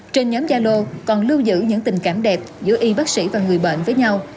trên nhóm yalo còn lưu giữ những tình cảm đẹp giữa y bác sĩ và người bệnh với nhau